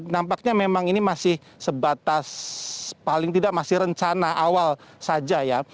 nampaknya memang ini masih sebatas paling tidak masih rencana awal saja ya